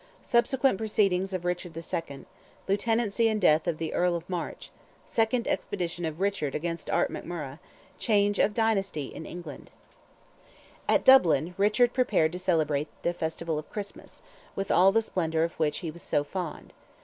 SUBSEQUENT PROCEEDINGS OF RICHARD II.—LIEUTENANCY AND DEATH OF THE EARL OF MARCH—SECOND EXPEDITION OF RICHARD AGAINST ART McMURROGH—CHANGE OF DYNASTY IN ENGLAND. At Dublin, Richard prepared to celebrate the festival of Christmas, with all the splendour of which he was so fond.